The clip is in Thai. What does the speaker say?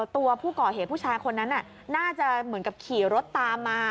ตัวผู้ก่อเหตุผู้ชายคนนั้นน่าจะเหมือนกับขี่รถตามมา